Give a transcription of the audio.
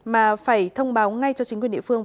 mà phải thông báo ngay cho chính quyền địa phương